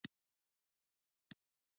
دواړه پښې یې د ځنګانه له پاسه ماتې وې.